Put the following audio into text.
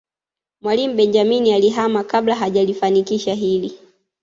mwalimu benjamini alihama kabla hajalifanikisha hili